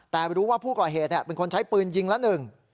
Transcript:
แต่รู้ว่าผู้ก่อเหตุเป็นคนใช้ปืนยิงละหนึ่ง